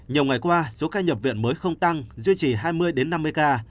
nhiều ngày qua số ca nhập viện mới không tăng duy trì hai mươi năm mươi ca